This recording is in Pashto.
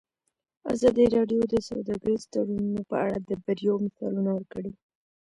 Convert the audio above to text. ازادي راډیو د سوداګریز تړونونه په اړه د بریاوو مثالونه ورکړي.